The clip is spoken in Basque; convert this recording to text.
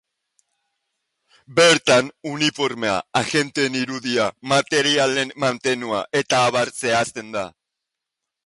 Bertan, uniformea, agenteen irudia, materialen mantenua etab zehazten da.